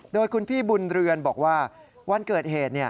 โดยคุณพี่บุญเรือนบอกว่าวันเกิดเหตุ